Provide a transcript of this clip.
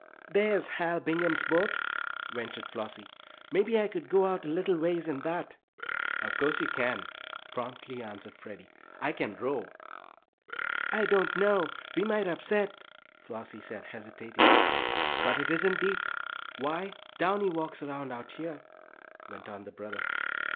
"There's Hal Bingham's boat," ventured Flossie. "Maybe I could go out a little ways in that." "Of course you can," promptly answered Freddie. "I can row." "I don't know, we might upset!" Flossie said, hesitating. "But it isn't deep. Why, Downy walks around out here," went on the brother.